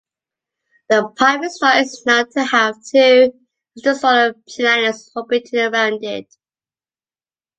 The primary star is known to have two extrasolar planets orbiting around it.